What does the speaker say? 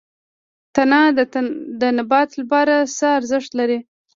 تنه د نبات لپاره څه ارزښت لري؟